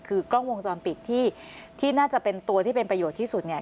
คือกล้องวงจรปิดที่น่าจะเป็นตัวที่เป็นประโยชน์ที่สุดเนี่ย